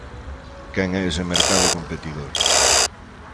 Quen é ese mercado competidor?